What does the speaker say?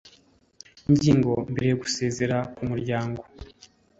ingingo mbere gusezera k umunyamuryango